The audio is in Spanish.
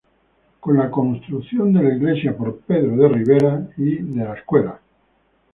Con la construcción de la iglesia por Pedro de Ribera, y de la escuela.